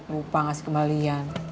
lupa kasih kembalian